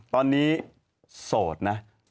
ตอนนี้โสดนะ